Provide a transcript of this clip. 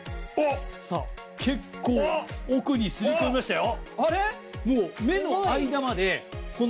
結構奥に擦り込みましたよ。